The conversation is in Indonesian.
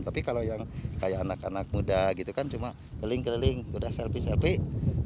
tapi kalau yang kayak anak anak muda cuma keliling keliling sudah selfie selfie